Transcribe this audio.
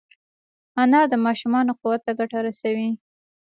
انار د ماشومانو قوت ته ګټه رسوي.